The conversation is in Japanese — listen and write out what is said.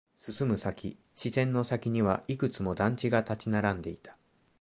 進む先、視線の先にはいくつも団地が立ち並んでいた。